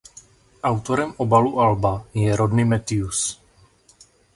Autorem obalu alba je Rodney Matthews.